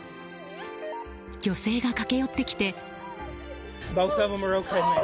女性が駆け寄ってきて。